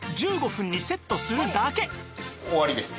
終わりです。